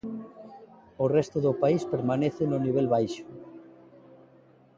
O resto do país permanece no nivel baixo.